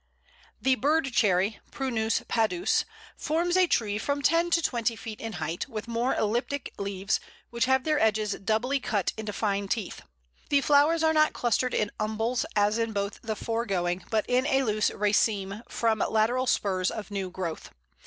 ] The Bird Cherry (Prunus padus) forms a tree from ten to twenty feet in height, with more elliptic leaves, which have their edges doubly cut into fine teeth. The flowers are not clustered in umbels, as in both the foregoing, but in a loose raceme from lateral spurs of new growth.